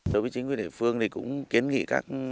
đối với chính quyền địa phương thì cũng kiến nghị các ngành chức năng